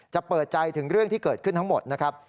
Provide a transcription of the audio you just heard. เปิดใจถึงเรื่องที่เกิดขึ้นทั้งหมดนะครับ